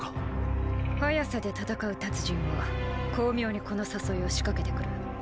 “速さ”で戦う達人は巧妙にこの誘いを仕掛けてくる。